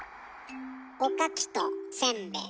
「おかき」と「せんべい」